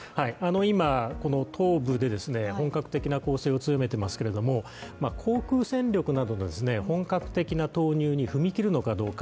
今、東部で本格的な攻勢を強めてますけども航空戦力などの本格的な投入に踏み切るのかどうか。